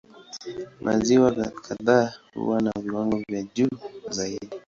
Maziwa kadhaa huwa na viwango vya juu zaidi.